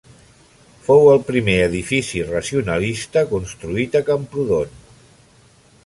Fou el primer edifici racionalista construït a Camprodon.